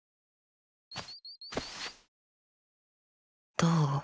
どう？